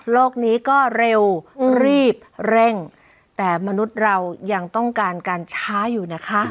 นี้ก็เร็วรีบเร่งแต่มนุษย์เรายังต้องการการช้าอยู่นะคะ